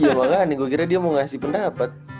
iya walaan nih gue kira dia mau ngasih pendapat